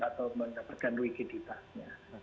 atau mendapatkan rikiditasnya